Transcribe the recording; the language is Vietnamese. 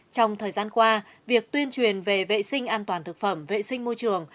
trong thời gian qua việc tuyên truyền về vệ sinh an toàn thực phẩm vệ sinh môi trường